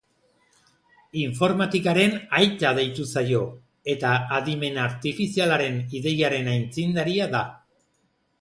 Informatikaren aita deitu zaio, eta adimenartifizialaren ideiaren aitzindaria da.